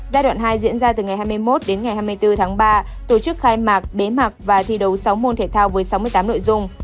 giai đoạn hai diễn ra từ ngày hai mươi một đến ngày hai mươi bốn tháng ba tổ chức khai mạc bế mạc và thi đấu sáu môn thể thao với sáu mươi tám nội dung